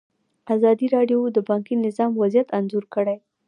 ازادي راډیو د بانکي نظام وضعیت انځور کړی.